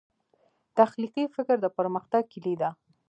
تخلیقي فکر د پرمختګ کلي دی.